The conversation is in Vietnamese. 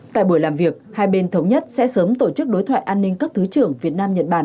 tại buổi làm việc hai bên thống nhất sẽ sớm tổ chức đối thoại an ninh cấp thứ trưởng việt nam nhật bản